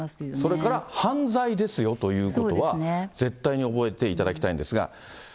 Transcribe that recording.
それから犯罪ですよということは絶対に覚えていただきたいんですが。